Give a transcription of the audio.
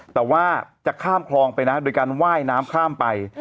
แต่ว่าจะข้ามคลองไปนะโดยการว่ายน้ำข้ามไป